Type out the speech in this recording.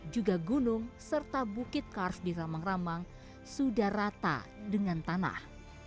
juga gunung serta bukit kars di ramang ramang sudah rata dengan tanah